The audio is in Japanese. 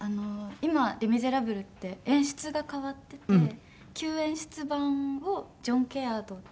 今『レ・ミゼラブル』って演出が変わってて旧演出版をジョン・ケアード。